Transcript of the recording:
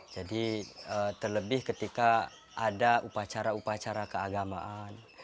jadi terlebih ketika ada upacara upacara keagamaan